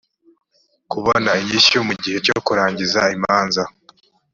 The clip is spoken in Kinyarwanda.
kubona inyishyu mu gihe cyo kurangiza imanza